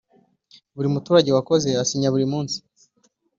buri muturage wakoze asinya buri munsi